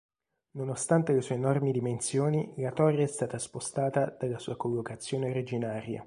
Nonostante le sue enormi dimensioni la torre è stata spostata dalla sua collocazione originaria.